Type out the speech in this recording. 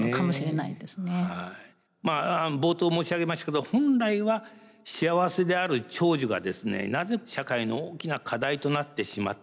まあ冒頭申し上げましたけど本来は幸せである長寿がですねなぜ社会の大きな課題となってしまったのか。